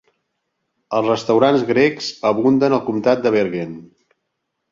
Els restaurants grecs abunden al comtat de Bergen.